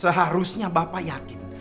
seharusnya bapak yakin